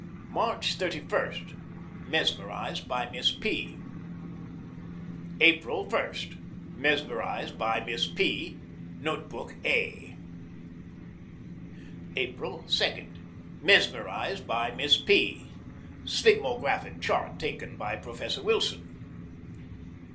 March 31. Mesmerized by Miss P. April 1. Mesmerized by Miss P. (Note book A.) April 2. Mesmerized by Miss P. (Sphygmographic chart taken by Professor Wilson.)